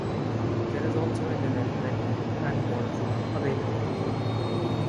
There is also an event venue and ballroom available.